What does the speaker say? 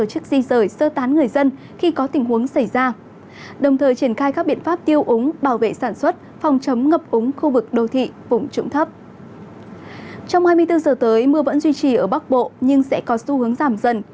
trong hai mươi bốn giờ tới mưa vẫn duy trì ở bắc bộ nhưng sẽ có xu hướng giảm dần